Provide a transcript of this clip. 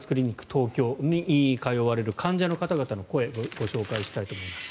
東京に通われる患者の方たちの声をご紹介したいと思います。